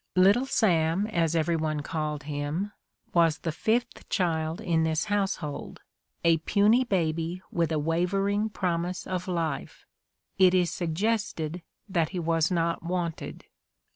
Little Sami, as every one called him, was the fifth child in this household, '' a puny baby with a wavering prom ise of life" ; it is suggested that he was not wanted.